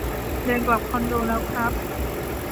เดินกลับคอนโดแล้วครับ